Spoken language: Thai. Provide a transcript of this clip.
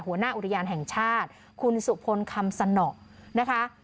หัวหน้าอุทยานแห่งชาติคุณสุพลคำสนอนะคะ